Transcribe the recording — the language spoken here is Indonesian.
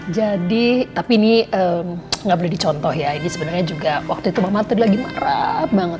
jadi tapi ini gak boleh dicontoh ya ini sebenarnya juga waktu itu mama tuh lagi marah banget